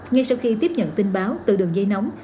ngay sau khi tiếp nhận tin báo từ đường dây nóng